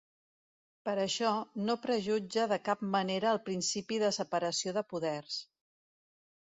Per això, no prejutja de cap manera el principi de separació de poders.